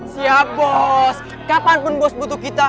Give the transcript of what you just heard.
siap bos kapan pun bos butuh kita